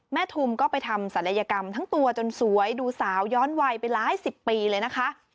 ทุมก็ไปทำศัลยกรรมทั้งตัวจนสวยดูสาวย้อนวัยไปหลายสิบปีเลยนะคะ